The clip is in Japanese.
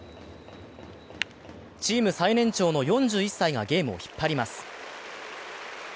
チーム最年長の４１歳がゲームを引っ張ります。